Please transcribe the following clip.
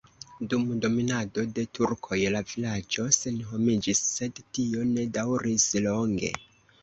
Dum dominado de turkoj la vilaĝo senhomiĝis, sed tio ne daŭris longe.